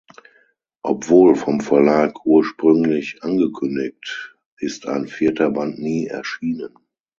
Obwohl vom Verlag ursprünglich angekündigt, ist ein vierter Band nie erschienen.